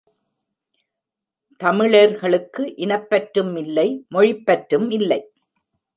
தமிழர்களுக்கு இனப்பற்றும் இல்லை மொழிப் பற்றும் இல்லை.